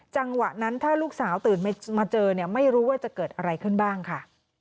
จังหวะนั้นถ้าลูกสาวตื่นมาเจอเนี่ยไม่รู้ว่าจะเกิดอะไรขึ้นบ้างค่ะ